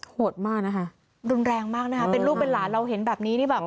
โหดมากนะคะรุนแรงมากนะคะเป็นลูกเป็นหลานเราเห็นแบบนี้นี่แบบ